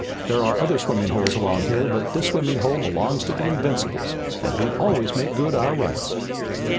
There are other swimming holes along here, but this swimming hole belongs to the Invincibles, and we always make good our rights."